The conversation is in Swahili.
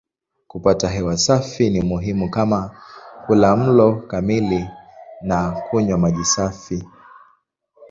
Kupata hewa safi ni muhimu kama kula mlo kamili na kunywa maji safi.